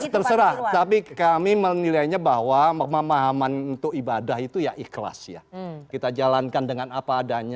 terserah tapi kami menilainya bahwa pemahaman untuk ibadah itu ya ikhlas ya kita jalankan dengan apa adanya